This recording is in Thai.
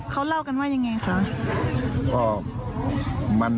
เขาเล่ากันว่ายังไงคะ